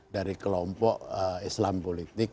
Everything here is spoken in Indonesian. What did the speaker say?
dari kelompok islam politik